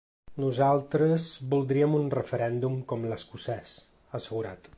Nosaltres voldríem un referèndum com l’escocès, ha assegurat.